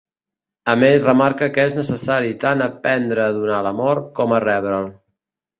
A més remarca que és necessari tant aprendre a donar l'amor com a rebre'l.